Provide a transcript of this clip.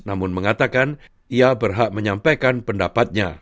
namun mengatakan ia berhak menyampaikan pendapatnya